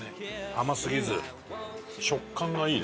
甘すぎず。